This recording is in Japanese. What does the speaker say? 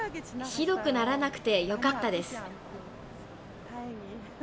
ひどくならなくてよかったです。